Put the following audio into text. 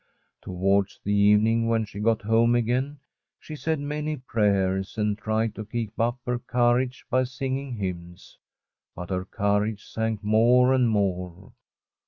Towards evening, when she got home agfain, Old AGNETE she said many prayers, and tried to keep up her courage by singing hymns. But her courage sank more and more.